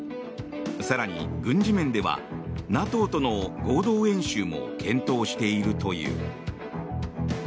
更に軍事面ではＮＡＴＯとの合同演習も検討しているという。